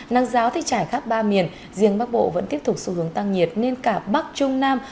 nắng giáo thì trải khắp ba miền riêng bắc bộ vẫn tiếp tục xu hướng tăng nhiệt nên cả bắc trung nam